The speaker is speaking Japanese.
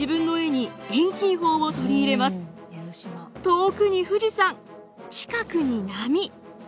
遠くに富士山近くに波。